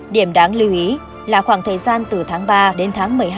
điểm đáng lưu ý là khoảng thời gian từ tháng ba đến tháng sáu